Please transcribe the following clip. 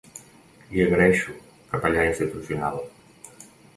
L'hi agraeixo, capellà institucional.